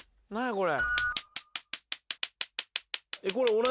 これ。